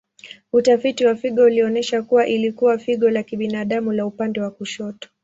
Utafiti wa figo ulionyesha kuwa ilikuwa figo la kibinadamu la upande wa kushoto.